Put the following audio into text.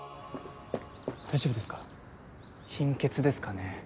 大丈夫ですか貧血ですかね。